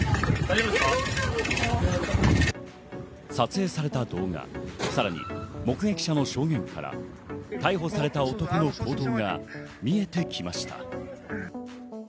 撮影された動画、さらに目撃者の証言から逮捕された男の行動が見えてきました。